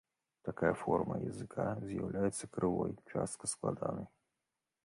Такая форма языка з'яўляецца крывой, часта складанай.